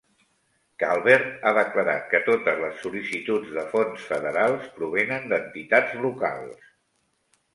Calvert ha declarat que totes les sol·licituds de fons federals provenen d'entitats locals.